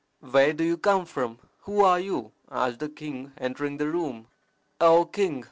"Where do you come from? Who are you?" asked the king, entering the room. "O king!"